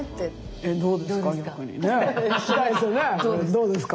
どうですか？